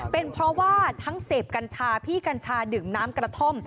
เป็นเพราะว่าทั้งเสพกัญชาพี่กัญชาดื่มน้ำกระท่อม